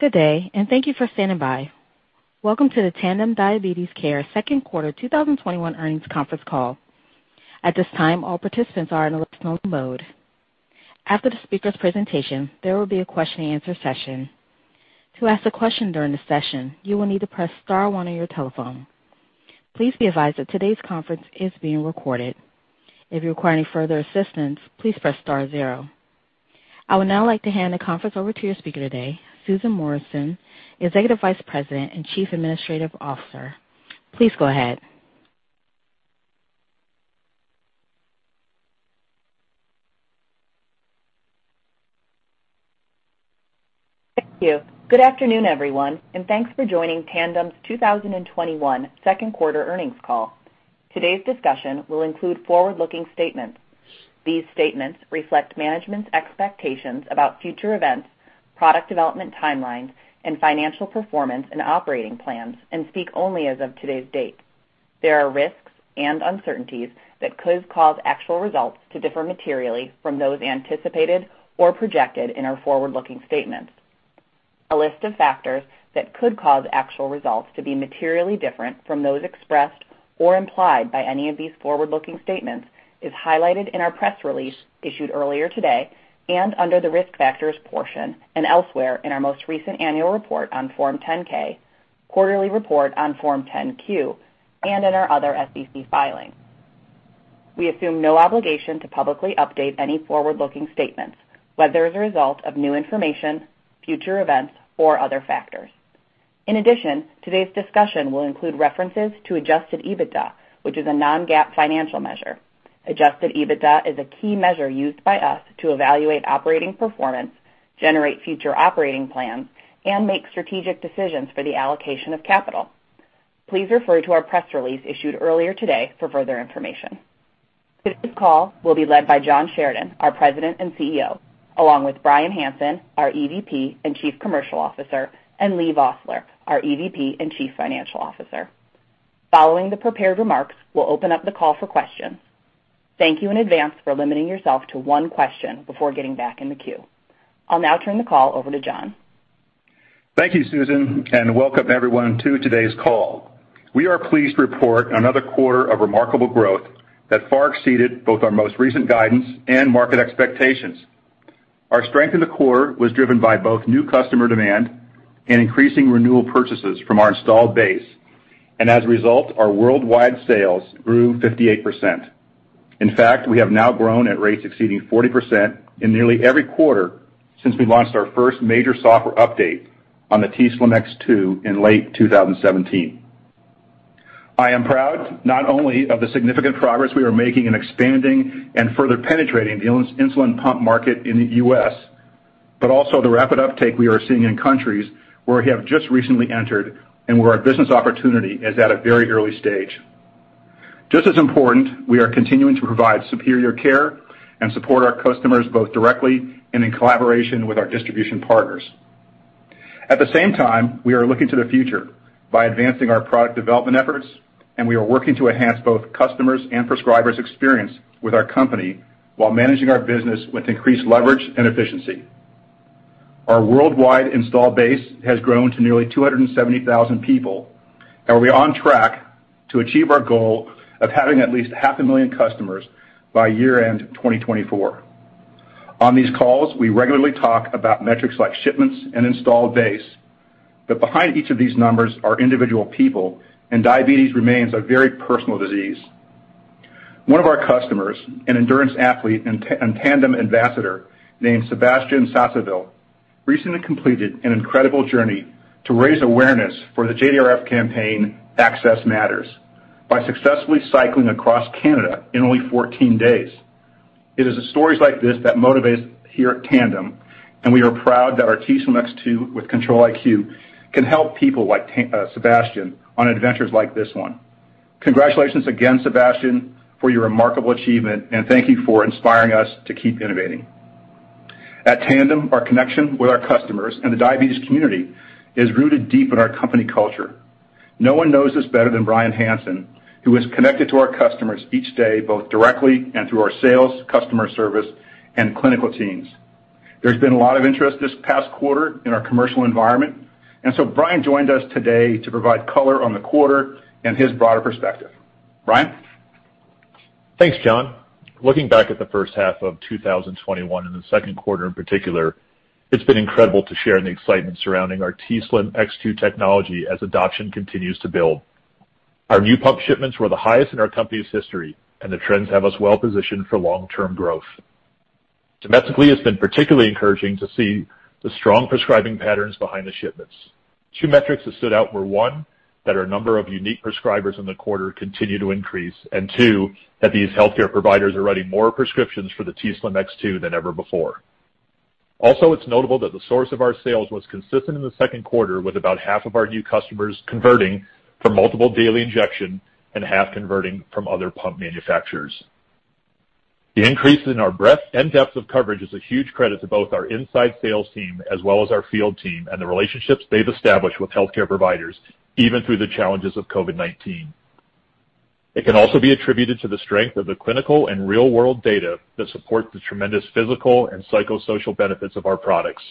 Good day, and thank you for standing by. Welcome to the Tandem Diabetes Care second quarter 2021 earnings conference call. At this time, all participants are in a listen-only mode. After the speaker's presentation, there will be a question and answer session. To ask a question during the session, you will need to press star one on your telephone. Please be advised that today's conference is being recorded. If you require any further assistance, please press star zero. I would now like to hand the conference over to your speaker today, Susan Morrison, Executive Vice President and Chief Administrative Officer. Please go ahead. Thank you. Good afternoon, everyone, and thanks for joining Tandem's 2021 second quarter earnings call. Today's discussion will include forward-looking statements. These statements reflect management's expectations about future events, product development timelines, and financial performance and operating plans and speak only as of today's date. There are risks and uncertainties that could cause actual results to differ materially from those anticipated or projected in our forward-looking statements. A list of factors that could cause actual results to be materially different from those expressed or implied by any of these forward-looking statements is highlighted in our press release issued earlier today and under the Risk Factors portion and elsewhere in our most recent annual report on Form 10-K, quarterly report on Form 10-Q, and in our other SEC filings. We assume no obligation to publicly update any forward-looking statements, whether as a result of new information, future events, or other factors. Today's discussion will include references to adjusted EBITDA, which is a non-GAAP financial measure. Adjusted EBITDA is a key measure used by us to evaluate operating performance, generate future operating plans, and make strategic decisions for the allocation of capital. Please refer to our press release issued earlier today for further information. Today's call will be led by John Sheridan, our President and CEO, along with Brian Hansen, our EVP and Chief Commercial Officer, and Leigh Vosseller, our EVP and Chief Financial Officer. Following the prepared remarks, we'll open up the call for questions. Thank you in advance for limiting yourself to one question before getting back in the queue. I'll now turn the call over to John. Thank you, Susan, and welcome everyone to today's call. We are pleased to report another quarter of remarkable growth that far exceeded both our most recent guidance and market expectations. Our strength in the core was driven by both new customer demand and increasing renewal purchases from our installed base, and as a result, our worldwide sales grew 58%. In fact, we have now grown at rates exceeding 40% in nearly every quarter since we launched our first major software update on the t:slim X2 in late 2017. I am proud not only of the significant progress we are making in expanding and further penetrating the insulin pump market in the U.S., but also the rapid uptake we are seeing in countries where we have just recently entered and where our business opportunity is at a very early stage. Just as important, we are continuing to provide superior care and support our customers both directly and in collaboration with our distribution partners. At the same time, we are looking to the future by advancing our product development efforts, we are working to enhance both customers' and prescribers' experience with our company while managing our business with increased leverage and efficiency. Our worldwide installed base has grown to nearly 270,000 people, we are on track to achieve our goal of having at least 500,000 customers by year-end 2024. On these calls, we regularly talk about metrics like shipments and installed base, behind each of these numbers are individual people, diabetes remains a very personal disease. One of our customers, an endurance athlete and Tandem ambassador named Sébastien Sasseville, recently completed an incredible journey to raise awareness for the JDRF campaign Access Matters by successfully cycling across Canada in only 14 days. It is stories like this that motivate us here at Tandem, and we are proud that our t:slim X2 with Control-IQ can help people like Sébastien on adventures like this one. Congratulations again, Sébastien, for your remarkable achievement, and thank you for inspiring us to keep innovating. At Tandem, our connection with our customers and the diabetes community is rooted deep in our company culture. No one knows this better than Brian Hansen, who is connected to our customers each day, both directly and through our sales, customer service, and clinical teams. There's been a lot of interest this past quarter in our commercial environment, and so Brian joined us today to provide color on the quarter and his broader perspective. Brian? Thanks, John. Looking back at the first half of 2021 and the second quarter in particular, it's been incredible to share in the excitement surrounding our t:slim X2 technology as adoption continues to build. Our new pump shipments were the highest in our company's history, and the trends have us well positioned for long-term growth. Domestically, it's been particularly encouraging to see the strong prescribing patterns behind the shipments. Two metrics that stood out were, one, that our number of unique prescribers in the quarter continue to increase, and two, that these healthcare providers are writing more prescriptions for the t:slim X2 than ever before. Also, it's notable that the source of our sales was consistent in the second quarter, with about half of our new customers converting from multiple daily injection and half converting from other pump manufacturers. The increase in our breadth and depth of coverage is a huge credit to both our inside sales team as well as our field team and the relationships they've established with healthcare providers, even through the challenges of COVID-19. It can also be attributed to the strength of the clinical and real-world data that support the tremendous physical and psychosocial benefits of our products.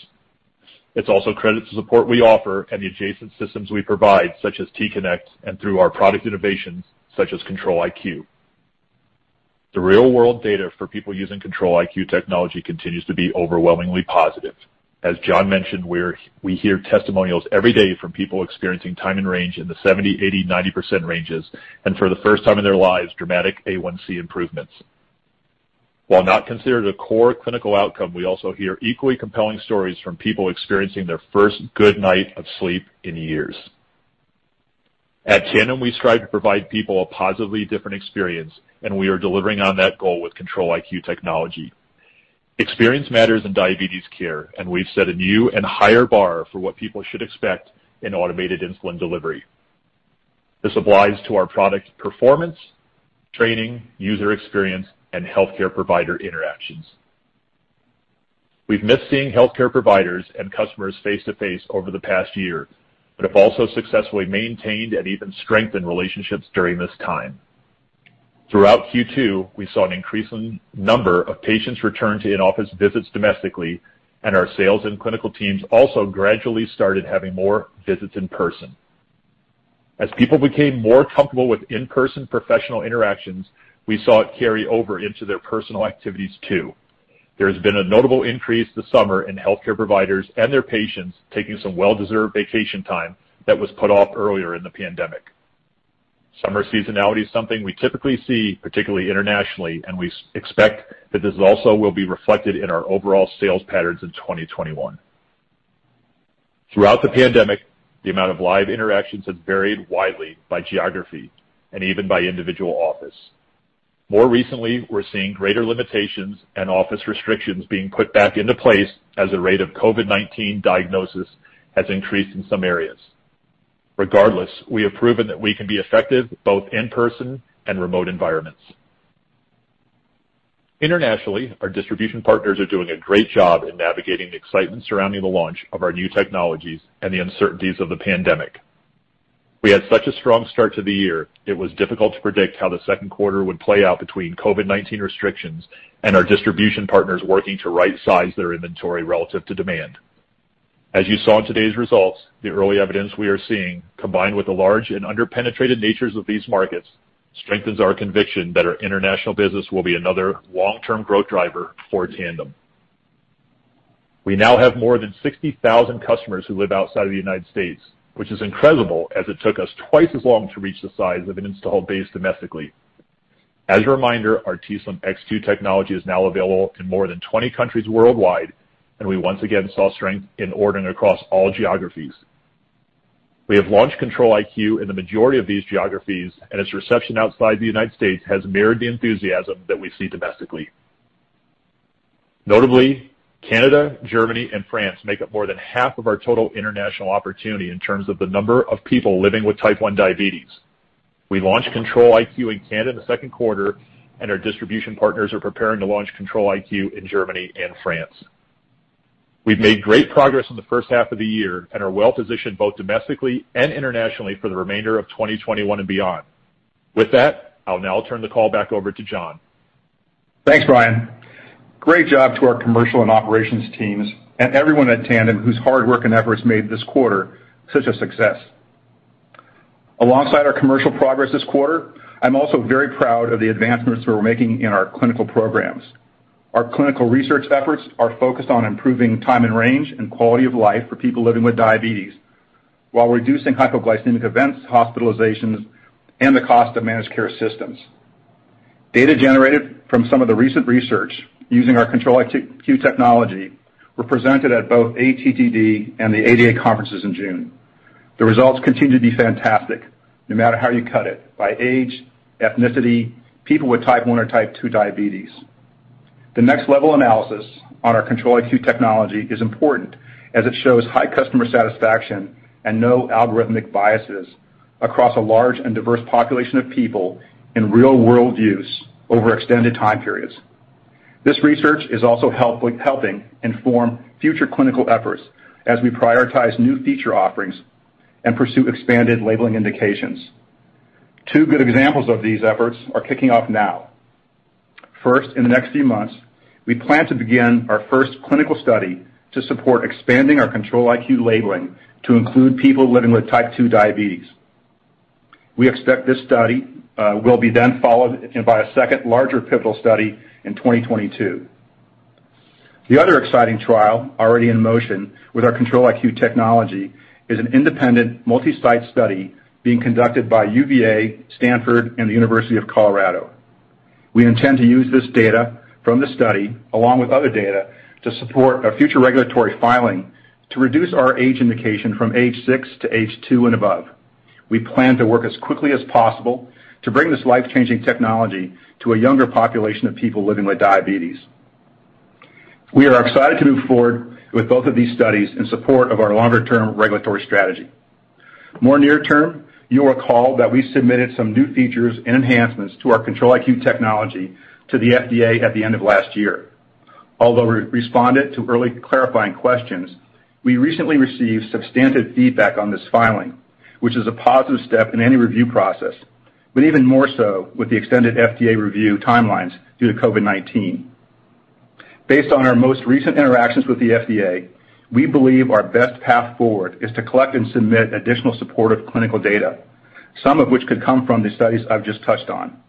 It's also credit to support we offer and the adjacent systems we provide, such as t:connect and through our product innovations such as Control-IQ. The real-world data for people using Control-IQ technology continues to be overwhelmingly positive. As John mentioned, we hear testimonials every day from people experiencing time in range in the 70%, 80%, 90% ranges, and for the first time in their lives, dramatic A1C improvements. While not considered a core clinical outcome, we also hear equally compelling stories from people experiencing their first good night of sleep in years. At Tandem, we strive to provide people a positively different experience, and we are delivering on that goal with Control-IQ technology. Experience matters in diabetes care, and we've set a new and higher bar for what people should expect in automated insulin delivery. This applies to our product performance, training, user experience, and healthcare provider interactions. We've missed seeing healthcare providers and customers face to face over the past year, but have also successfully maintained and even strengthened relationships during this time. Throughout Q2, we saw an increasing number of patients return to in-office visits domestically, and our sales and clinical teams also gradually started having more visits in person. As people became more comfortable with in-person professional interactions, we saw it carry over into their personal activities too. There has been a notable increase this summer in healthcare providers and their patients taking some well-deserved vacation time that was put off earlier in the pandemic. Summer seasonality is something we typically see, particularly internationally, and we expect that this also will be reflected in our overall sales patterns in 2021. Throughout the pandemic, the amount of live interactions has varied widely by geography and even by individual office. More recently, we're seeing greater limitations and office restrictions being put back into place as the rate of COVID-19 diagnosis has increased in some areas. Regardless, we have proven that we can be effective both in person and remote environments. Internationally, our distribution partners are doing a great job in navigating the excitement surrounding the launch of our new technologies and the uncertainties of the pandemic. We had such a strong start to the year, it was difficult to predict how the second quarter would play out between COVID-19 restrictions and our distribution partners working to right-size their inventory relative to demand. As you saw in today's results, the early evidence we are seeing, combined with the large and under-penetrated natures of these markets, strengthens our conviction that our international business will be another long-term growth driver for Tandem. We now have more than 60,000 customers who live outside of the U.S., which is incredible as it took us twice as long to reach this size of an installed base domestically. As a reminder, our t:slim X2 technology is now available in more than 20 countries worldwide, and we once again saw strength in ordering across all geographies. We have launched Control-IQ in the majority of these geographies, and its reception outside the U.S. has mirrored the enthusiasm that we see domestically. Notably, Canada, Germany, and France make up more than half of our total international opportunity in terms of the number of people living with Type 1 diabetes. We launched Control-IQ in Canada in the second quarter, and our distribution partners are preparing to launch Control-IQ in Germany and France. We've made great progress in the first half of the year and are well positioned both domestically and internationally for the remainder of 2021 and beyond. With that, I'll now turn the call back over to John. Thanks, Brian. Great job to our commercial and operations teams and everyone at Tandem whose hard work and efforts made this quarter such a success. Alongside our commercial progress this quarter, I'm also very proud of the advancements we're making in our clinical programs. Our clinical research efforts are focused on improving time in range and quality of life for people living with diabetes while reducing hypoglycemic events, hospitalizations, and the cost of managed care systems. Data generated from some of the recent research using our Control-IQ technology were presented at both ATTD and the ADA conferences in June. The results continue to be fantastic no matter how you cut it, by age, ethnicity, people with Type 1 or Type 2 diabetes. The next level analysis on our Control-IQ technology is important as it shows high customer satisfaction and no algorithmic biases across a large and diverse population of people in real-world use over extended time periods. This research is also helping inform future clinical efforts as we prioritize new feature offerings and pursue expanded labeling indications. Two good examples of these efforts are kicking off now. First, in the next few months, we plan to begin our first clinical study to support expanding our Control-IQ labeling to include people living with Type 2 diabetes. We expect this study will be then followed by a second larger pivotal study in 2022. The other exciting trial already in motion with our Control-IQ technology is an independent multi-site study being conducted by UVA, Stanford, and the University of Colorado. We intend to use this data from the study, along with other data, to support a future regulatory filing to reduce our age indication from age six to age two and above. We plan to work as quickly as possible to bring this life-changing technology to a younger population of people living with diabetes. We are excited to move forward with both of these studies in support of our longer-term regulatory strategy. More near term, you'll recall that we submitted some new features and enhancements to our Control-IQ technology to the FDA at the end of last year. Although we responded to early clarifying questions, we recently received substantive feedback on this filing, which is a positive step in any review process, but even more so with the extended FDA review timelines due to COVID-19. Based on our most recent interactions with the FDA, we believe our best path forward is to collect and submit additional supportive clinical data, some of which could come from the studies I've just touched on.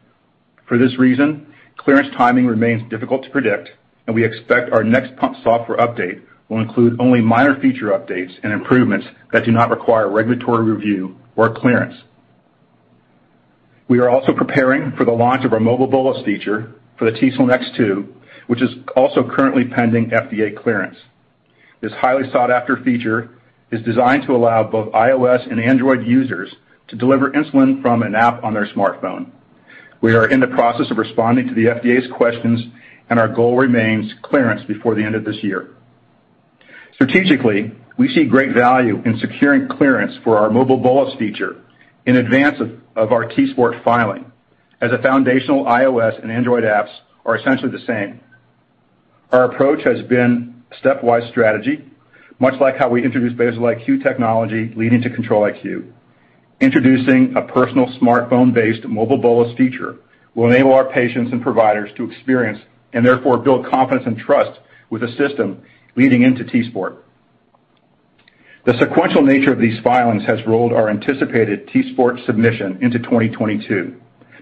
For this reason, clearance timing remains difficult to predict, and we expect our next pump software update will include only minor feature updates and improvements that do not require regulatory review or clearance. We are also preparing for the launch of our Mobile Bolus feature for the t:slim X2, which is also currently pending FDA clearance. This highly sought-after feature is designed to allow both iOS and Android users to deliver insulin from an app on their smartphone. We are in the process of responding to the FDA's questions, and our goal remains clearance before the end of this year. Strategically, we see great value in securing clearance for our Mobile Bolus feature in advance of our t:sport filing, as the foundational iOS and Android apps are essentially the same. Our approach has been a stepwise strategy, much like how we introduced Basal-IQ technology leading to Control-IQ. Introducing a personal smartphone-based Mobile Bolus feature will enable our patients and providers to experience, and therefore build confidence and trust with the system leading into t:sport. The sequential nature of these filings has rolled our anticipated t:sport submission into 2022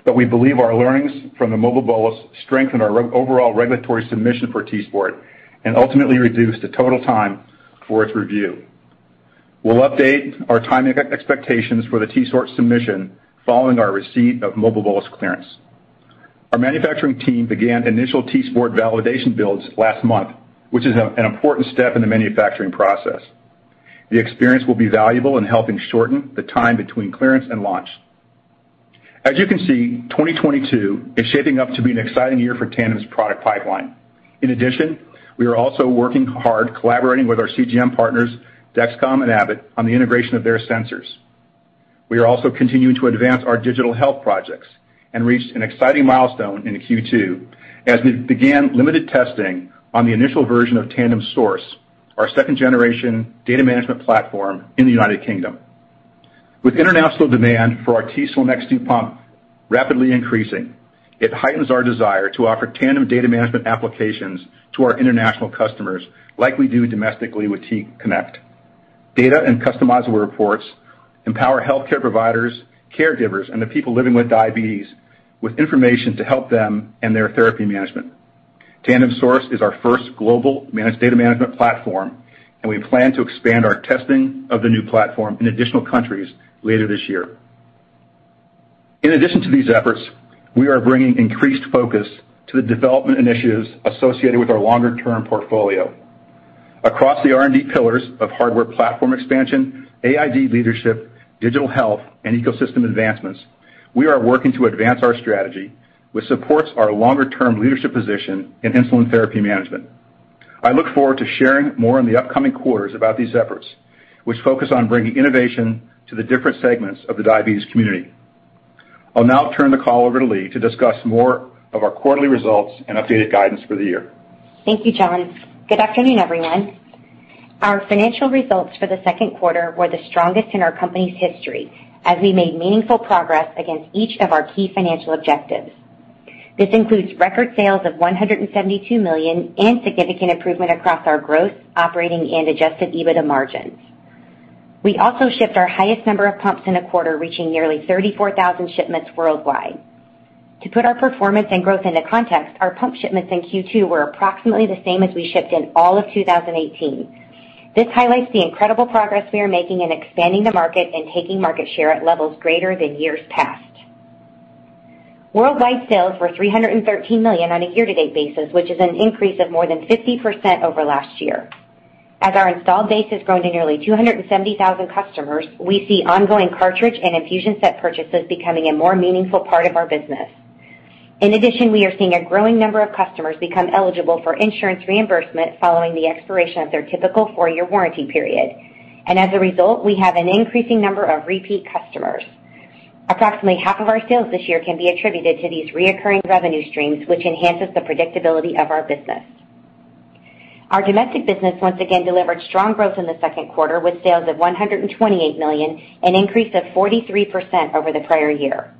but we believe our learnings from the Mobile Bolus strengthen our overall regulatory submission for t:sport and ultimately reduce the total time for its review. We'll update our timing expectations for the t:sport submission following our receipt of Mobile Bolus clearance. Our manufacturing team began initial t:sport validation builds last month, which is an important step in the manufacturing process. The experience will be valuable in helping shorten the time between clearance and launch. As you can see, 2022 is shaping up to be an exciting year for Tandem's product pipeline. In addition, we are also working hard, collaborating with our CGM partners, Dexcom and Abbott, on the integration of their sensors. We are also continuing to advance our digital health projects and reached an exciting milestone in Q2 as we began limited testing on the initial version of Tandem Source, our second-generation data management platform in the U.K. With international demand for our t:slim X2 pump rapidly increasing, it heightens our desire to offer Tandem data management applications to our international customers like we do domestically with t:connect. Data and customizable reports empower healthcare providers, caregivers, and the people living with diabetes with information to help them and their therapy management. Tandem Source is our first global data management platform, and we plan to expand our testing of the new platform in additional countries later this year. In addition to these efforts, we are bringing increased focus to the development initiatives associated with our longer-term portfolio. Across the R&D pillars of hardware platform expansion, AID leadership, digital health, and ecosystem advancements, we are working to advance our strategy, which supports our longer-term leadership position in insulin therapy management. I look forward to sharing more in the upcoming quarters about these efforts, which focus on bringing innovation to the different segments of the diabetes community. I'll now turn the call over to Leigh to discuss more of our quarterly results and updated guidance for the year. Thank you, John. Good afternoon, everyone. Our financial results for the second quarter were the strongest in our company's history as we made meaningful progress against each of our key financial objectives. This includes record sales of $172 million and significant improvement across our growth, operating, and adjusted EBITDA margins. We also shipped our highest number of pumps in 1/4, reaching nearly 34,000 shipments worldwide. To put our performance and growth into context, our pump shipments in Q2 were approximately the same as we shipped in all of 2018. This highlights the incredible progress we are making in expanding the market and taking market share at levels greater than years past. Worldwide sales were $313 million on a year-to-date basis, which is an increase of more than 50% over last year. As our installed base has grown to nearly 270,000 customers, we see ongoing cartridge and infusion set purchases becoming a more meaningful part of our business. We are seeing a growing number of customers become eligible for insurance reimbursement following the expiration of their typical four-year warranty period, and as a result, we have an increasing number of repeat customers. Approximately half of our sales this year can be attributed to these recurring revenue streams, which enhances the predictability of our business. Our domestic business once again delivered strong growth in the second quarter with sales of $128 million, an increase of 43% over the prior year.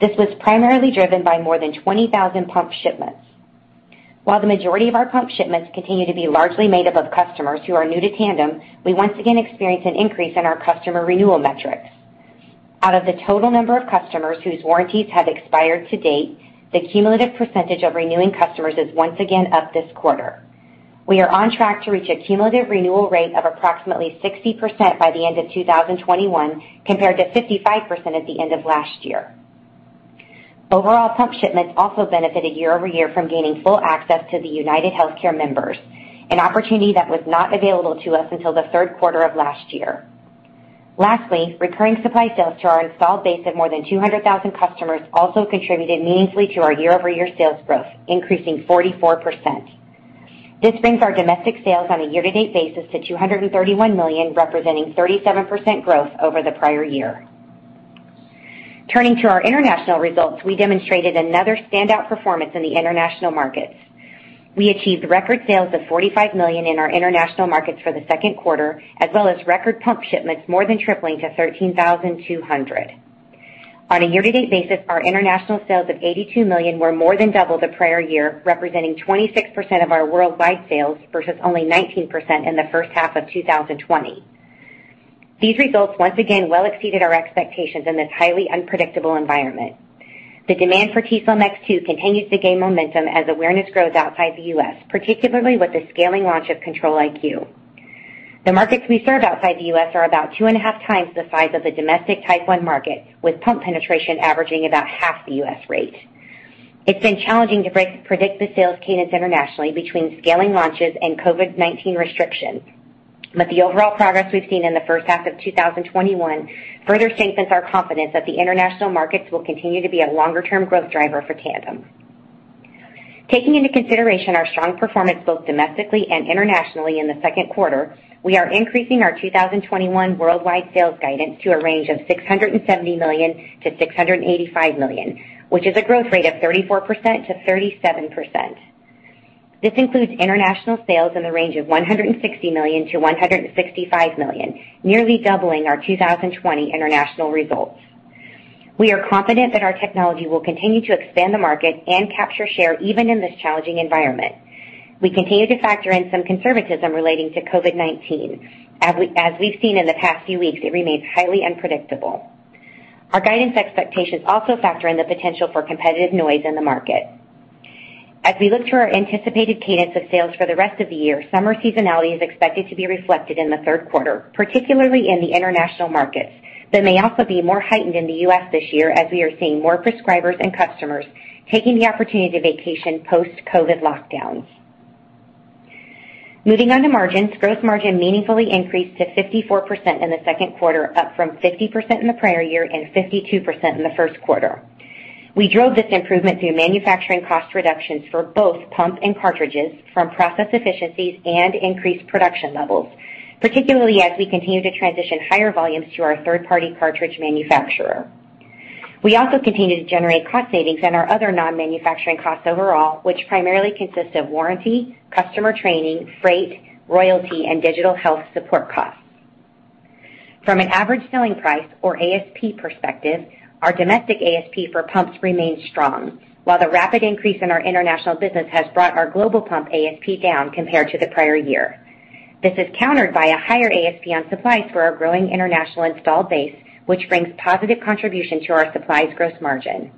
This was primarily driven by more than 20,000 pump shipments. While the majority of our pump shipments continue to be largely made up of customers who are new to Tandem, we once again experienced an increase in our customer renewal metrics. Out of the total number of customers whose warranties have expired to date, the cumulative % of renewing customers is once again up this quarter. We are on track to reach a cumulative renewal rate of approximately 60% by the end of 2021, compared to 55% at the end of last year. Overall pump shipments also benefited year-over-year from gaining full access to the UnitedHealthcare members, an opportunity that was not available to us until the third quarter of last year. Lastly, recurring supply sales to our installed base of more than 200,000 customers also contributed meaningfully to our year-over-year sales growth, increasing 44%. This brings our domestic sales on a year-to-date basis to $231 million, representing 37% growth over the prior year. Turning to our international results, we demonstrated another standout performance in the international markets. We achieved record sales of $45 million in our international markets for the second quarter, as well as record pump shipments more than tripling to 13,200. On a year-to-date basis, our international sales of $82 million were more than double the prior year, representing 26% of our worldwide sales versus only 19% in the first half of 2020. These results once again well exceeded our expectations in this highly unpredictable environment. The demand for t:slim X2 continues to gain momentum as awareness grows outside the U.S., particularly with the scaling launch of Control-IQ. The markets we serve outside the U.S. are about 2.5x the size of the domestic Type 1 market, with pump penetration averaging about half the U.S. rate. It's been challenging to predict the sales cadence internationally between scaling launches and COVID-19 restrictions. The overall progress we have seen in the first half of 2021 further strengthens our confidence that the international markets will continue to be a longer-term growth driver for Tandem. Taking into consideration our strong performance both domestically and internationally in the second quarter, we are increasing our 2021 worldwide sales guidance to a range of $670 million-$685 million, which is a growth rate of 34%-37%. This includes international sales in the range of $160 million-$165 million, nearly doubling our 2020 international results. We are confident that our technology will continue to expand the market and capture share even in this challenging environment. We continue to factor in some conservatism relating to COVID-19. As we have seen in the past few weeks, it remains highly unpredictable. Our guidance expectations also factor in the potential for competitive noise in the market. As we look to our anticipated cadence of sales for the rest of the year, summer seasonality is expected to be reflected in the third quarter, particularly in the international markets, but may also be more heightened in the U.S. this year, as we are seeing more prescribers and customers taking the opportunity to vacation post-COVID lockdowns. Moving on to margins, gross margin meaningfully increased to 54% in the second quarter, up from 50% in the prior year and 52% in the first quarter. We drove this improvement through manufacturing cost reductions for both pumps and cartridges from process efficiencies and increased production levels, particularly as we continue to transition higher volumes to our third-party cartridge manufacturer. We also continue to generate cost savings in our other non-manufacturing costs overall, which primarily consist of warranty, customer training, freight, royalty, and digital health support costs. From an average selling price, or ASP perspective, our domestic ASP for pumps remains strong. While the rapid increase in our international business has brought our global pump ASP down compared to the prior year. This is countered by a higher ASP on supplies for our growing international installed base, which brings positive contribution to our supplies gross margin.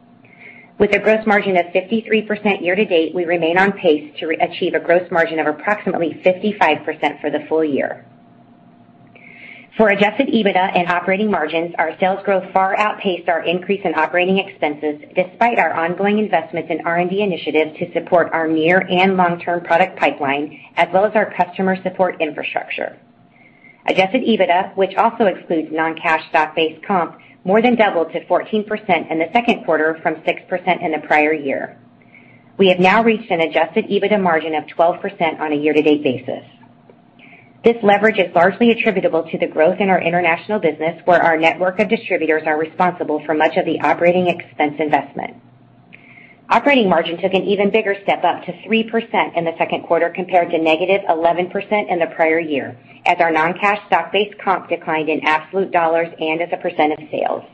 With a gross margin of 53% year-to-date, we remain on pace to achieve a gross margin of approximately 55% for the full year. For Adjusted EBITDA and operating margins, our sales growth far outpaced our increase in operating expenses, despite our ongoing investments in R&D initiatives to support our near and long-term product pipeline, as well as our customer support infrastructure. Adjusted EBITDA, which also excludes non-cash stock-based comp, more than doubled to 14% in the second quarter from 6% in the prior year. We have now reached an adjusted EBITDA margin of 12% on a year-to-date basis. This leverage is largely attributable to the growth in our international business, where our network of distributors are responsible for much of the operating expense investment. Operating margin took an even bigger step up to 3% in the second quarter compared to -11% in the prior year, as our non-cash stock-based comp declined in absolute dollars and as a percent of sales.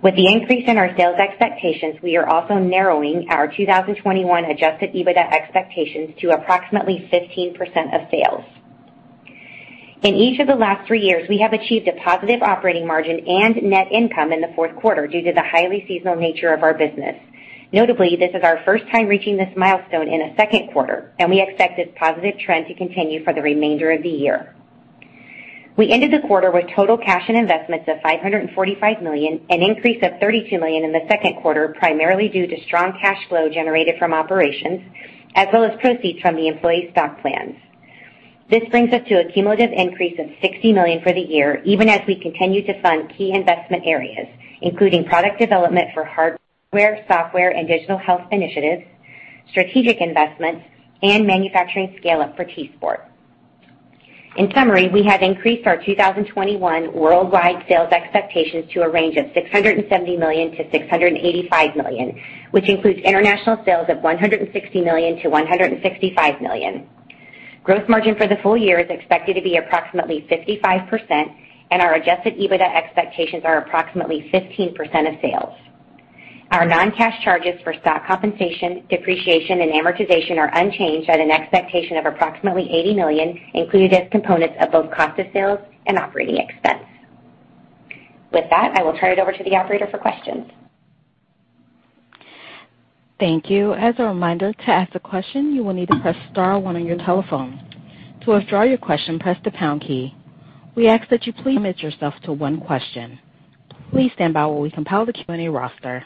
With the increase in our sales expectations, we are also narrowing our 2021 adjusted EBITDA expectations to approximately 15% of sales. In each of the last three years, we have achieved a positive operating margin and net income in the fourth quarter due to the highly seasonal nature of our business. Notably, this is our first time reaching this milestone in a second quarter, and we expect this positive trend to continue for the remainder of the year. We ended the quarter with total cash and investments of $545 million, an increase of $32 million in the second quarter, primarily due to strong cash flow generated from operations as well as proceeds from the employee stock plans. This brings us to a cumulative increase of $60 million for the year, even as we continue to fund key investment areas, including product development for hardware, software, and digital health initiatives, strategic investments, and manufacturing scale-up for t:sport. In summary, we have increased our 2021 worldwide sales expectations to a range of $670 million-$685 million, which includes international sales of $160 million-$165 million. Gross margin for the full year is expected to be approximately 55%, and our adjusted EBITDA expectations are approximately 15% of sales. Our non-cash charges for stock compensation, depreciation, and amortization are unchanged at an expectation of approximately $180 million, included as components of both cost of sales and operating expense. With that, I will turn it over to the operator for questions. Thank you. As a reminder, to ask a question, you will need to press star one on your telephone. To withdraw your question, press the pound key. We ask that you please limit yourself to one question. Please stand by while we compile the Q&A roster.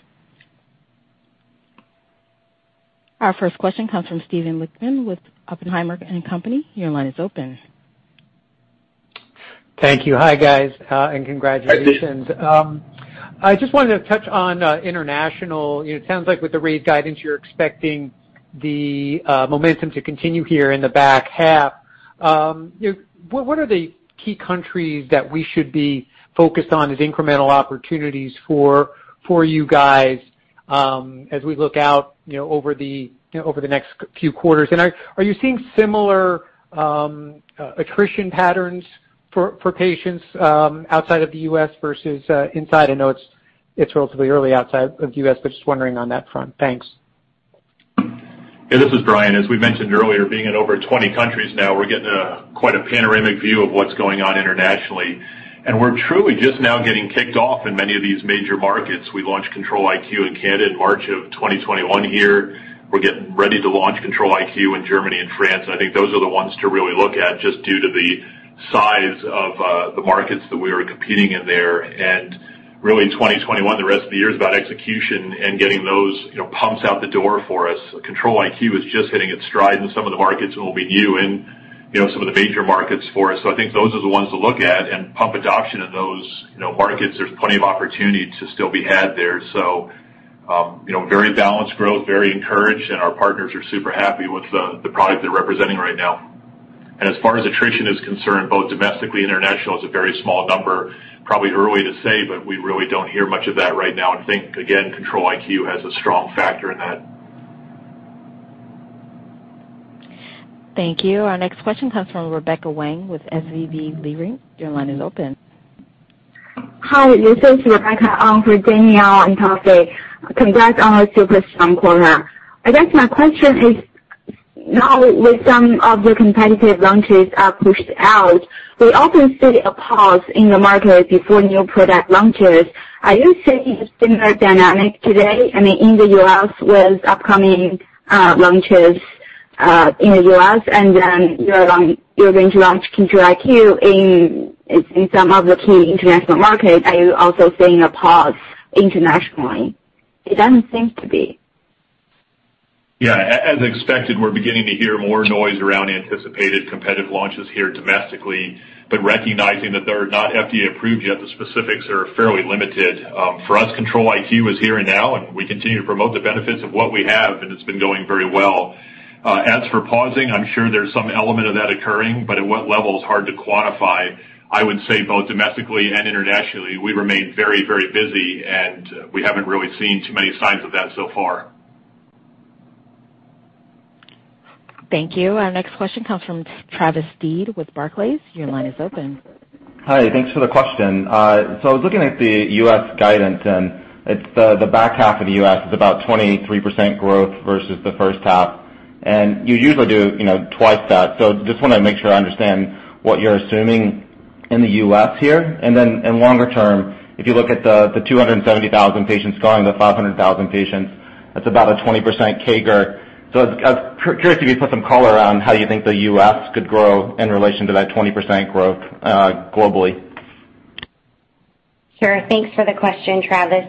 Our first question comes from Steven Lichtman with Oppenheimer & Company. Your line is open. Thank you. Hi, guys, and congratulations. I just wanted to touch on international. It sounds like with the raised guidance, you're expecting the momentum to continue here in the back half. What are the key countries that we should be focused on as incremental opportunities for you guys as we look out over the next few quarters? Are you seeing similar attrition patterns for patients outside of the U.S. versus inside? I know it's relatively early outside of the U.S., just wondering on that front. Thanks. Yeah, this is Brian. As we mentioned earlier, being in over 20 countries now, we're getting quite a panoramic view of what's going on internationally. We're truly just now getting kicked off in many of these major markets. We launched Control-IQ in Canada in March of 2021 here. We're getting ready to launch Control-IQ in Germany and France. I think those are the ones to really look at, just due to the size of the markets that we are competing in there. Really 2021, the rest of the year, is about execution and getting those pumps out the door for us. Control-IQ is just hitting its stride in some of the markets it'll be new in, some of the major markets for us. I think those are the ones to look at. Pump adoption in those markets, there's plenty of opportunity to still be had there. Very balanced growth, very encouraged, and our partners are super happy with the product they're representing right now. As far as attrition is concerned, both domestically, international, it's a very small number. Probably early to say, but we really don't hear much of that right now. I think, again, Control-IQ has a strong factor in that. Thank you. Our next question comes from Rebecca Wang with SVB Leerink. Your line is open. Hi, this is Rebecca for Danielle and Toby. Congrats on a super strong quarter. I guess my question is, now with some of the competitive launches are pushed out, we often see a pause in the market before new product launches. Are you seeing a similar dynamic today? I mean, in the U.S. with upcoming launches in the U.S., and then you're going to launch Control-IQ in some of the key international markets. Are you also seeing a pause internationally? It doesn't seem to be. Yeah. As expected, we're beginning to hear more noise around anticipated competitive launches here domestically. Recognizing that they're not FDA approved yet, the specifics are fairly limited. For us, Control-IQ is here and now, and we continue to promote the benefits of what we have, and it's been going very well. As for pausing, I'm sure there's some element of that occurring, but at what level is hard to quantify. I would say both domestically and internationally, we remain very busy, and we haven't really seen too many signs of that so far. Thank you. Our next question comes from Travis Steed with Barclays. Your line is open. Hi, thanks for the question. I was looking at the U.S. guidance, the back half of the U.S. is about 23% growth versus the first half. You usually do twice that. Just want to make sure I understand what you're assuming in the U.S. here. In longer term, if you look at the 270,000 patients going to 500,000 patients, that's about a 20% CAGR. I was curious if you put some color around how you think the U.S. could grow in relation to that 20% growth globally. Sure. Thanks for the question, Travis.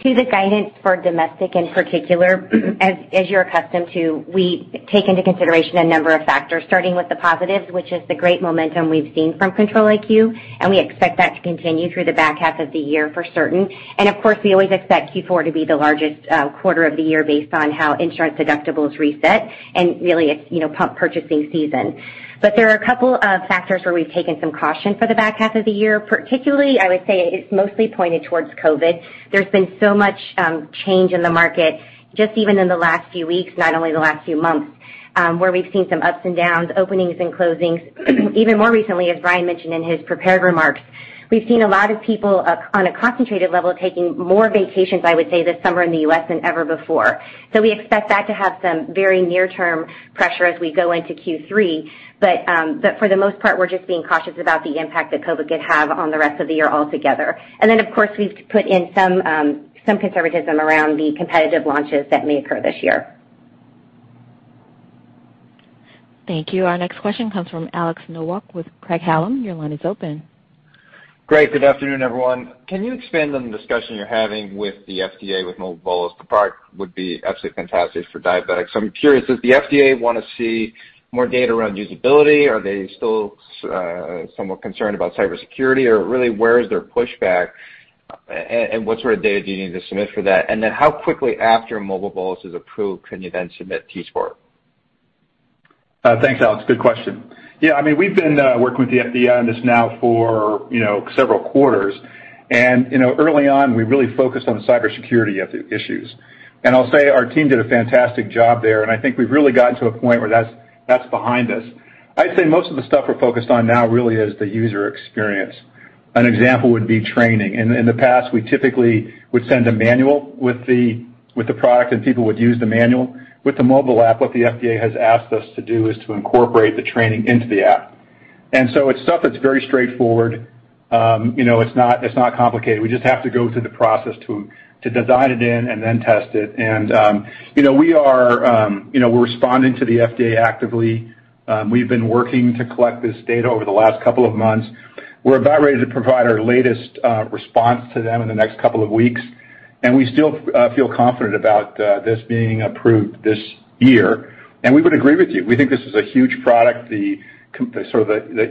To the guidance for domestic in particular, as you're accustomed to, we take into consideration a number of factors, starting with the positives, which is the great momentum we've seen from Control-IQ, we expect that to continue through the back half of the year for certain. Of course, we always expect Q4 to be the largest quarter of the year based on how insurance deductibles reset and really it's pump purchasing season. There are a couple of factors where we've taken some caution for the back half of the year. Particularly, I would say it's mostly pointed towards COVID. There's been so much change in the market just even in the last few weeks, not only the last few months, where we've seen some ups and downs, openings and closings. Even more recently, as Brian mentioned in his prepared remarks, we've seen a lot of people on a concentrated level taking more vacations, I would say, this summer in the U.S. than ever before. We expect that to have some very near-term pressure as we go into Q3. For the most part, we're just being cautious about the impact that COVID could have on the rest of the year altogether. Then, of course, we've put in some conservatism around the competitive launches that may occur this year. Thank you. Our next question comes from Alex Nowak with Craig-Hallum. Your line is open. Great. Good afternoon, everyone. Can you expand on the discussion you're having with the FDA with Mobile Bolus? The product would be absolutely fantastic for diabetics. I'm curious, does the FDA want to see more data around usability? Are they still somewhat concerned about cybersecurity? Or really, where is their pushback, and what sort of data do you need to submit for that? How quickly after Mobile Bolus is approved can you then submit t:sport? Thanks, Alex. Good question. Yeah, we've been working with the FDA on this now for several quarters. Early on, we really focused on the cybersecurity issues. I'll say our team did a fantastic job there, and I think we've really gotten to a point where that's behind us. I'd say most of the stuff we're focused on now really is the user experience. An example would be training. In the past, we typically would send a manual with the product, and people would use the manual. With the mobile app, what the FDA has asked us to do is to incorporate the training into the app. It's stuff that's very straightforward. It's not complicated. We just have to go through the process to design it in and then test it. We're responding to the FDA actively. We've been working to collect this data over the last couple of months. We're about ready to provide our latest response to them in the next couple of weeks. We still feel confident about this being approved this year. We would agree with you. We think this is a huge product, the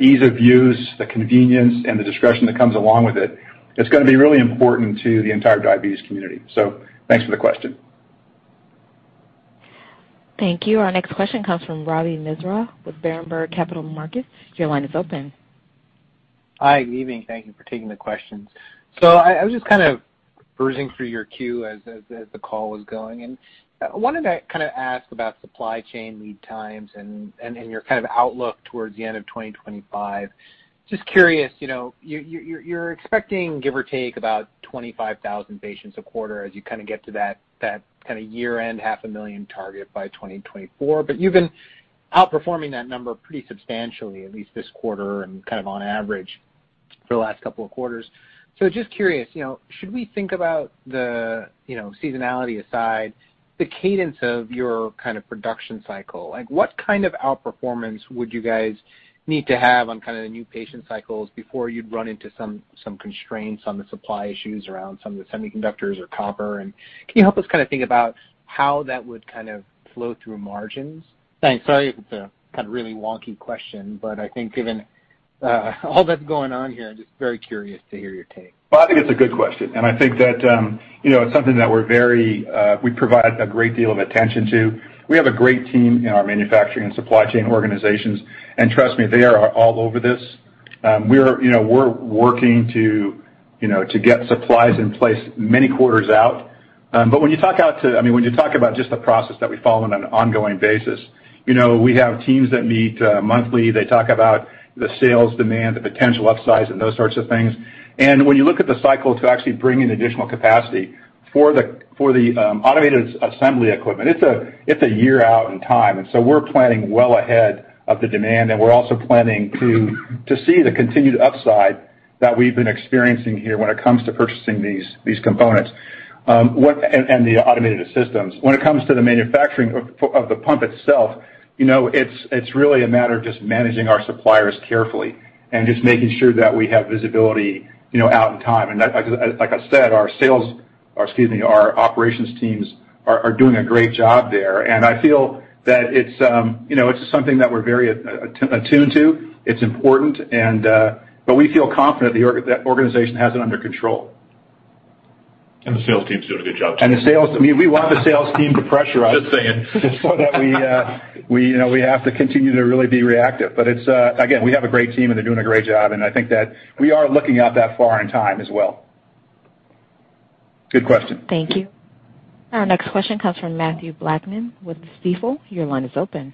ease of use, the convenience, and the discretion that comes along with it. It's going to be really important to the entire diabetes community. Thanks for the question. Thank you. Our next question comes from Ravi Misra with Berenberg Capital Markets. Your line is open. Hi, good evening. Thank you for taking the questions. I was just kind of perusing through your Q as the call was going, and I wanted to ask about supply chain lead times and your kind of outlook towards the end of 2025. Just curious, you're expecting, give or take, about 25,000 patients 1/4 as you get to that year-end 500,000 target by 2024. You've been outperforming that number pretty substantially, at least this quarter, and kind of on average for the last couple of quarters. Just curious, should we think about the, seasonality aside, the cadence of your kind of production cycle? What kind of outperformance would you guys need to have on kind of the new patient cycles before you'd run into some constraints on the supply issues around some of the semiconductors or copper? Can you help us think about how that would kind of flow through margins? Thanks. Sorry if it's a kind of really wonky question, but I think given all that's going on here, I'm just very curious to hear your take. Well, I think it's a good question. I think that it's something that we provide a great deal of attention to. We have a great team in our manufacturing and supply chain organizations. Trust me, they are all over this. We're working to get supplies in place many quarters out. When you talk about just the process that we follow on an ongoing basis, we have teams that meet monthly. They talk about the sales demand, the potential upsides, and those sorts of things. When you look at the cycle to actually bring in additional capacity for the automated assembly equipment, it's a year out in time. We're planning well ahead of the demand. We're also planning to see the continued upside that we've been experiencing here when it comes to purchasing these components and the automated systems. When it comes to the manufacturing of the pump itself, it's really a matter of just managing our suppliers carefully and just making sure that we have visibility out in time. Like I said, our operations teams are doing a great job there, and I feel that it's something that we're very attuned to. It's important, but we feel confident the organization has it under control. The sales team's doing a good job, too. We want the sales team to pressurize. Just saying. That we have to continue to really be reactive. Again, we have a great team, and they're doing a great job, and I think that we are looking out that far in time as well. Good question. Thank you. Our next question comes from Mathew Blackman with Stifel. Your line is open.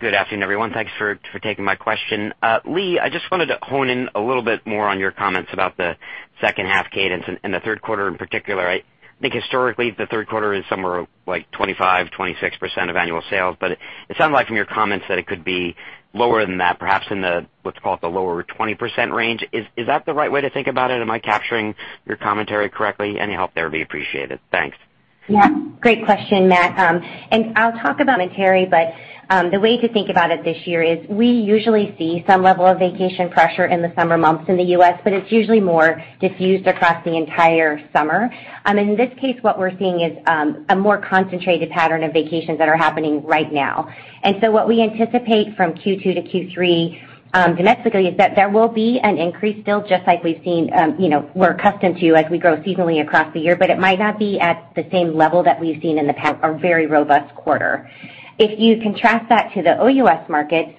Good afternoon, everyone. Thanks for taking my question. Leigh, I just wanted to hone in a little bit more on your comments about the second half cadence and the third quarter in one particular. I think historically, the third quarter is somewhere like 25%, 26% of annual sales, but it sounds like from your comments that it could be lower than that, perhaps in the, let's call it, the lower 20% range. Is that the right way to think about it? Am I capturing your commentary correctly? Any help there would be appreciated. Thanks. Yeah, great question, Matt. I'll talk about commentary, but the way to think about it this year is we usually see some level of vacation pressure in the summer months in the U.S., but it's usually more diffused across the entire summer. In this case, what we're seeing is a more concentrated pattern of vacations that are happening right now. What we anticipate from Q2 to Q3 domestically is that there will be an increase still, just like we're accustomed to as we grow seasonally across the year, but it might not be at the same level that we've seen in the past, a very robust quarter. If you contrast that to the OUS markets,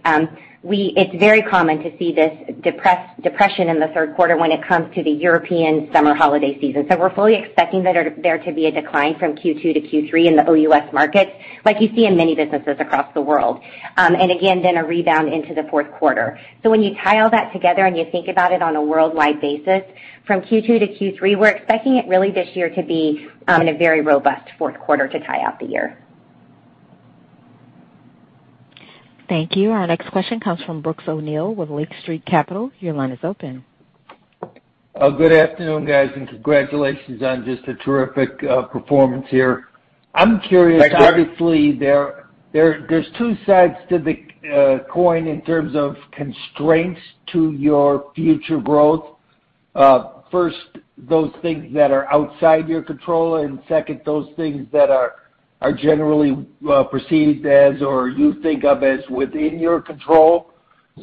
it's very common to see this depression in the third quarter when it comes to the European summer holiday season. We're fully expecting there to be a decline from Q2 to Q3 in the OUS markets, like you see in many businesses across the world, again, a rebound into the fourth quarter. When you tie all that together and you think about it on a worldwide basis, from Q2 to Q3, we're expecting it really this year to be in a very robust fourth quarter to tie out the year. Thank you. Our next question comes from Brooks O'Neil with Lake Street Capital. Your line is open. Good afternoon, guys, and congratulations on just a terrific performance here. I'm curious. Thanks, Brooks. Obviously, there's two sides to the coin in terms of constraints to your future growth. First, those things that are outside your control, and second, those things that are generally perceived as, or you think of as within your control.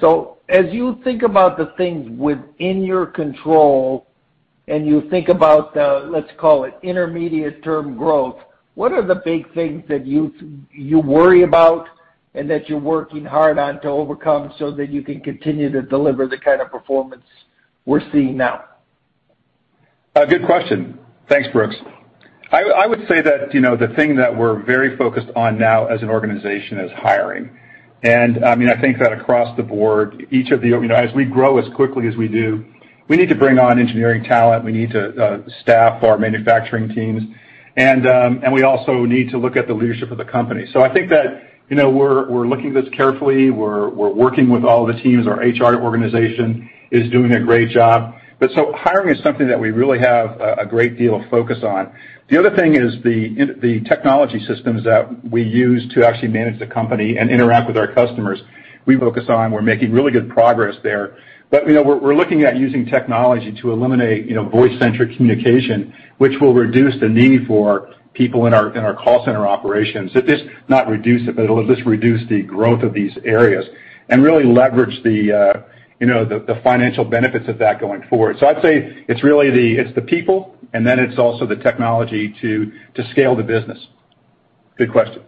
As you think about the things within your control and you think about the, let's call it, intermediate term growth, what are the big things that you worry about and that you're working hard on to overcome so that you can continue to deliver the kind of performance we're seeing now? Good question. Thanks, Brooks. I would say that the thing that we're very focused on now as an organization is hiring. I think that across the board, as we grow as quickly as we do, we need to bring on engineering talent. We need to staff our manufacturing teams. We also need to look at the leadership of the company. I think that we're looking at this carefully. We're working with all of the teams. Our HR organization is doing a great job. Hiring is something that we really have a great deal of focus on. The other thing is the technology systems that we use to actually manage the company and interact with our customers. We're making really good progress there. We're looking at using technology to eliminate voice-centric communication, which will reduce the need for people in our call center operations. It'll at least reduce the growth of these areas and really leverage the financial benefits of that going forward. I'd say it's the people, and then it's also the technology to scale the business. Good question.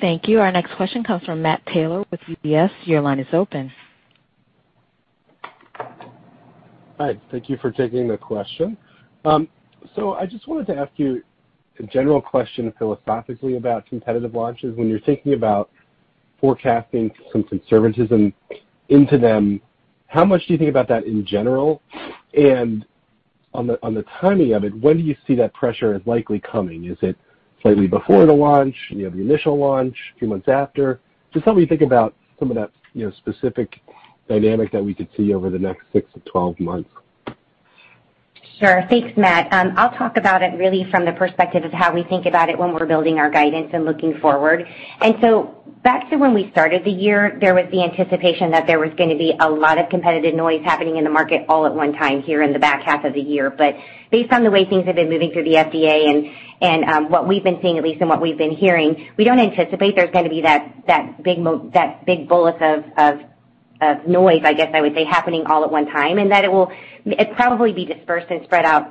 Thank you. Our next question comes from Matt Taylor with UBS. Your line is open. Hi. Thank you for taking the question. I just wanted to ask you a general question philosophically about competitive launches. When you're thinking about forecasting some conservatism into them, how much do you think about that in general? On the timing of it, when do you see that pressure is likely coming? Is it slightly before the launch? You have the initial launch, a few months after? Just help me think about some of that specific dynamic that we could see over the next 6-12 months. Sure. Thanks, Matt. I'll talk about it really from the perspective of how we think about it when we're building our guidance and looking forward. Back to when we started the year, there was the anticipation that there was going to be a lot of competitive noise happening in the market all at one time here in the back half of the year. Based on the way things have been moving through the FDA and what we've been seeing at least, and what we've been hearing, we don't anticipate there's going to be that big bullet of noise, I guess I would say, happening all at one time, and that it'll probably be dispersed and spread out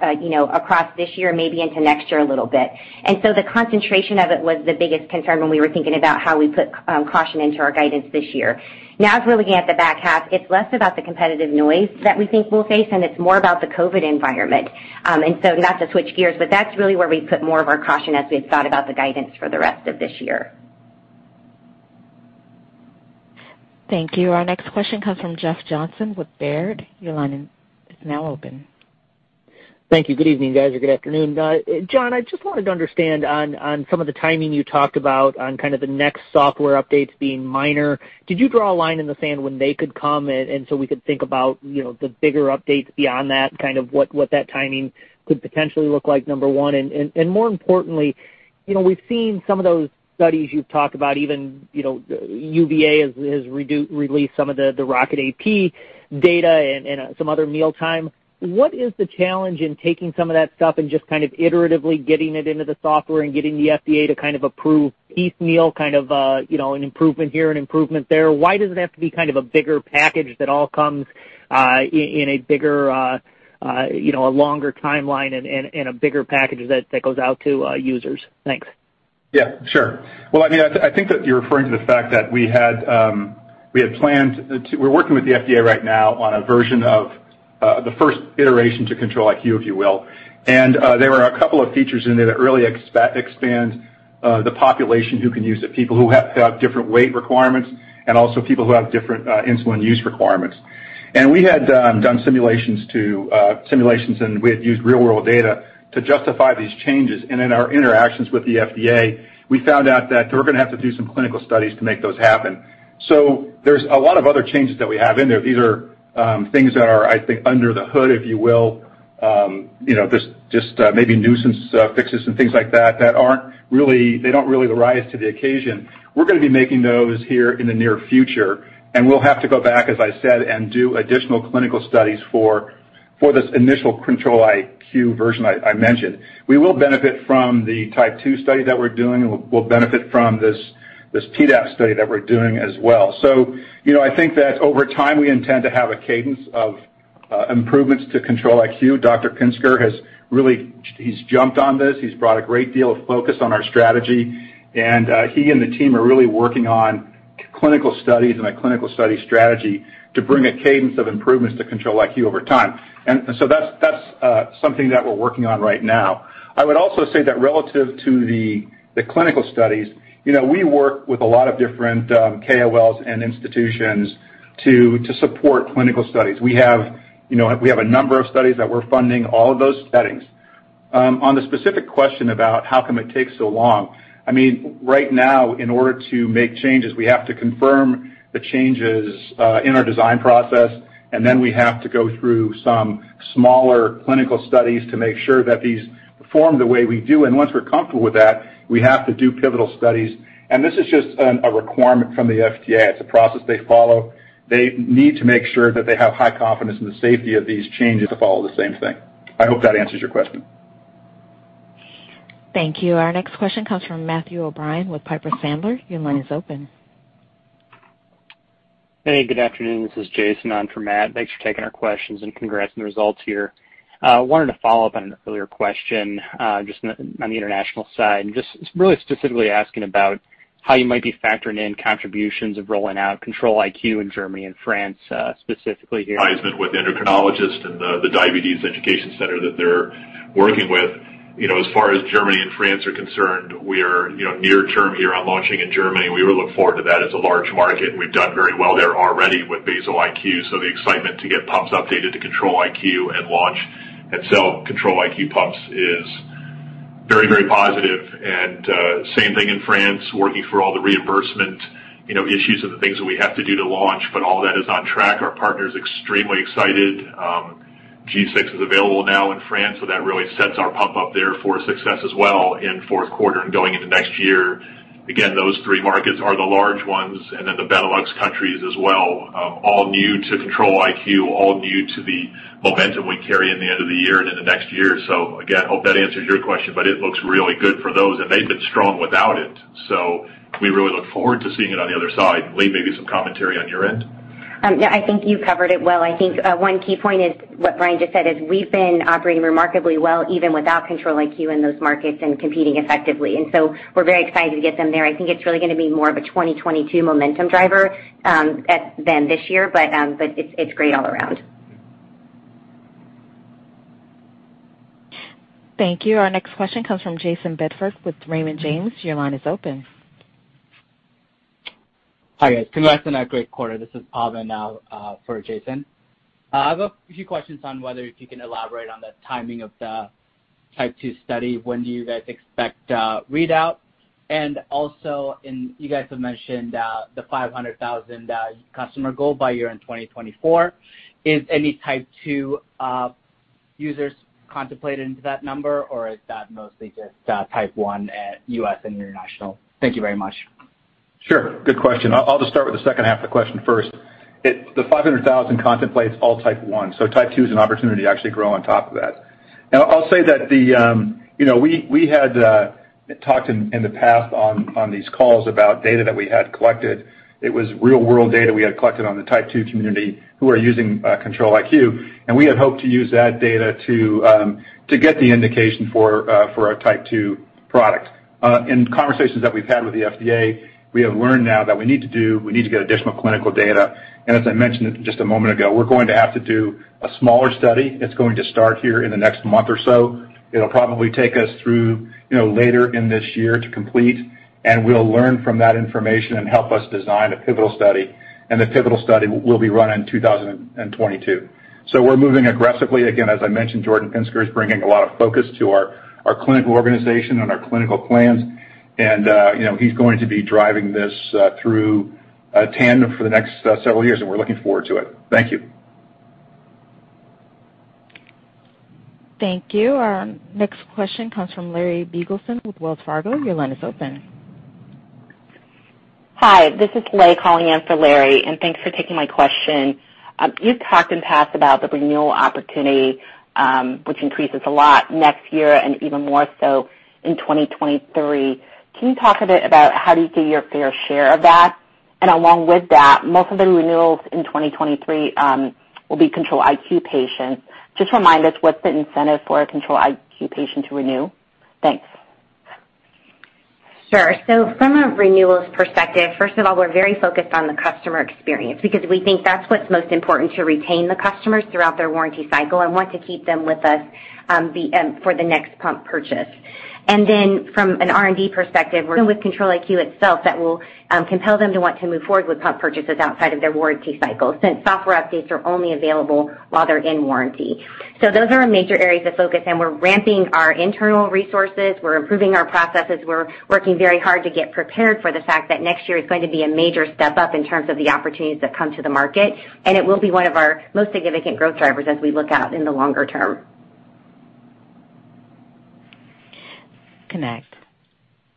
across this year, maybe into next year a little bit. The concentration of it was the biggest concern when we were thinking about how we put caution into our guidance this year. Now as we're looking at the back half, it's less about the competitive noise that we think we'll face, and it's more about the COVID environment. Not to switch gears, but that's really where we put more of our caution as we had thought about the guidance for the rest of this year. Thank you. Our next question comes from Jeff Johnson with Baird. Your line is now open. Thank you. Good evening, guys, or good afternoon. John, I just wanted to understand on some of the timing you talked about on kind of the next software updates being minor. Did you draw a line in the sand when they could come in so we could think about the bigger updates beyond that, kind of what that timing could potentially look like, number one? More importantly, we've seen some of those studies you've talked about, even UVA has released some of the RocketAP data and some other mealtime. What is the challenge in taking some of that stuff and just kind of iteratively getting it into the software and getting the FDA to kind of approve piecemeal, kind of an improvement here, an improvement there? Why does it have to be kind of a bigger package that all comes in a longer timeline and a bigger package that goes out to users? Thanks. Yeah, sure. Well, I think that you're referring to the fact that we're working with the FDA right now on a version of the first iteration to Control-IQ, if you will. There were a couple of features in there that really expand the population who can use it. People who have different weight requirements and also people who have different insulin use requirements. We had done simulations, and we had used real-world data to justify these changes. In our interactions with the FDA, we found out that we're going to have to do some clinical studies to make those happen. There's a lot of other changes that we have in there. These are things that are, I think, under the hood, if you will. Just maybe nuisance fixes and things like that, they don't really rise to the occasion. We're going to be making those here in the near future, and we'll have to go back, as I said, and do additional clinical studies for this initial Control-IQ version I mentioned. We will benefit from the type two study that we're doing, and we'll benefit from this PEDAP study that we're doing as well. I think that over time, we intend to have a cadence of improvements to Control-IQ. Dr. Pinsker, he's jumped on this. He's brought a great deal of focus on our strategy. He and the team are really working on clinical studies and a clinical study strategy to bring a cadence of improvements to Control-IQ over time. That's something that we're working on right now. I would also say that relative to the clinical studies, we work with a lot of different KOLs and institutions to support clinical studies. We have a number of studies that we're funding, all of those studies. On the specific question about how come it takes so long. Right now, in order to make changes, we have to confirm the changes in our design process, and then we have to go through some smaller clinical studies to make sure that these perform the way we do. Once we're comfortable with that, we have to do pivotal studies. This is just a requirement from the FDA. It's a process they follow. They need to make sure that they have high confidence in the safety of these changes to follow the same thing. I hope that answers your question. Thank you. Our next question comes from Matthew O'Brien with Piper Sandler. Your line is open. Hey, good afternoon. This is Jayson on for Matt. Thanks for taking our questions and congrats on the results here. I wanted to follow up on an earlier question, just on the international side, and just really specifically asking about how you might be factoring in contributions of rolling out Control-IQ in Germany and France specifically here. Advisement with endocrinologists and the diabetes education center that they're working with. As far as Germany and France are concerned, we are near term here on launching in Germany. We really look forward to that. It's a large market, and we've done very well there already with Basal-IQ. The excitement to get pumps updated to Control-IQ and launch and sell Control-IQ pumps is very positive. Same thing in France, working through all the reimbursement issues and the things that we have to do to launch. All that is on track. Our partner is extremely excited. G6 is available now in France, so that really sets our pump up there for success as well in fourth quarter and going into next year. Again, those three markets are the large ones, and then the Benelux countries as well. All new to Control-IQ, all new to the momentum we carry in the end of the year and into next year. Again, hope that answers your question, but it looks really good for those, and they've been strong without it. We really look forward to seeing it on the other side. Leigh, maybe some commentary on your end? Yeah, I think you covered it well. I think one key point is what Brian just said is we've been operating remarkably well, even without Control-IQ in those markets and competing effectively. We're very excited to get them there. I think it's really going to be more of a 2022 momentum driver than this year, but it's great all around. Thank you. Our next question comes from Jayson Bedford with Raymond James. Your line is open. Hi, guys. Congrats on that great quarter. This is Pavan for Jayson. I have a few questions on whether if you can elaborate on the timing of the type two study. When do you guys expect readout? Also, you guys have mentioned the 500,000 customer goal by year-end 2024. Is any type two users contemplated into that number, or is that mostly just type one at U.S. and international? Thank you very much. Sure. Good question. I'll just start with the second half of the question first. The 500,000 contemplates all type one. Type two is an opportunity to actually grow on top of that. I'll say that we had talked in the past on these calls about data that we had collected. It was real-world data we had collected on the type two community who are using Control-IQ. We had hoped to use that data to get the indication for our type two product. In conversations that we've had with the FDA, we have learned now that we need to get additional clinical data. As I mentioned just a moment ago, we're going to have to do a smaller study. It's going to start here in the next month or so. It'll probably take us through later in this year to complete. We'll learn from that information and help us design a pivotal study. The pivotal study will be run in 2022. We're moving aggressively. Again, as I mentioned, Jordan Pinsker is bringing a lot of focus to our clinical organization and our clinical plans. He's going to be driving this through Tandem for the next several years. We're looking forward to it. Thank you. Thank you. Our next question comes from Larry Biegelsen with Wells Fargo. Your line is open. Hi, this is Leigh calling in for Larry, thanks for taking my question. You've talked in the past about the renewal opportunity, which increases a lot next year and even more so in 2023. Can you talk a bit about how do you get your fair share of that? Along with that, most of the renewals in 2023 will be Control-IQ patients. Just remind us what's the incentive for a Control-IQ patient to renew? Thanks. Sure. From a renewals perspective, first of all, we're very focused on the customer experience because we think that's what's most important to retain the customers throughout their warranty cycle and want to keep them with us for the next pump purchase. From an R&D perspective, we're with Control-IQ itself that will compel them to want to move forward with pump purchases outside of their warranty cycle since software updates are only available while they're in warranty. Those are our major areas of focus, and we're ramping our internal resources. We're improving our processes. We're working very hard to get prepared for the fact that next year is going to be a major step up in terms of the opportunities that come to the market, and it will be one of our most significant growth drivers as we look out in the longer term. Connect.